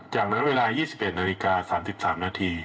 จากนั้นเวลา๒๑นาฬิกา๓๓นาที